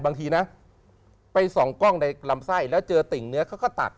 บางทีนะไปส่องกล้องในลำไส้แล้วเจอติ่งเนื้อเขาก็ตัก